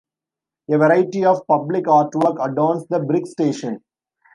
A variety of public artwork adorns the brick station.